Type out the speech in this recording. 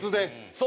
そう。